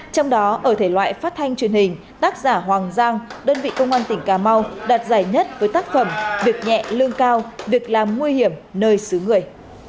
trong đó ở thể loại phát thanh truyền hình tác giả hoàng giang đơn vị công an tỉnh cà mau đạt giải nhất với tác phẩm việc nhẹ lương cao việc làm nguy hiểm nơi xứ người